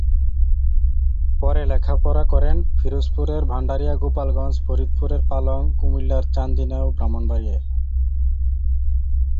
পরে লেখাপড়া করেন পিরোজপুরের ভান্ডারিয়া, গোপালগঞ্জ, ফরিদপুরের পালং, কুমিল্লার চান্দিনা ও ব্রাহ্মণবাড়িয়ায়।